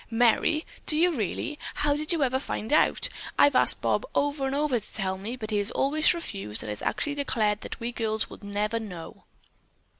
"Merry, do you really? How ever did you find out? I've asked Bob over and over to tell me, but he has always refused and has actually declared that we girls never would know."